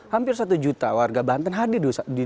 hampir satu juta warga banten hadir